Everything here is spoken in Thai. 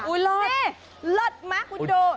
นี่เลิศมากคุณโด